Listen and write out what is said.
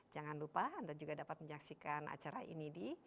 jangan lupa anda juga dapat menyaksikan acara ini di